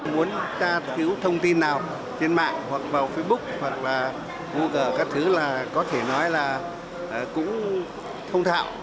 muốn tra cứu thông tin nào trên mạng hoặc vào facebook hoặc là google các thứ là có thể nói là cũng thông thạo